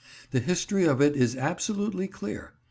The history of it is absolutely clear.